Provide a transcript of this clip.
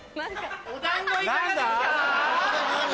・お団子いかがですか？